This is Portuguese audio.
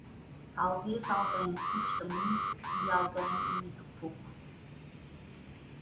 Talvez alguém custa muito e alguém muito pouco.